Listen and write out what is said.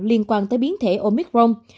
liên quan tới biến thể omicron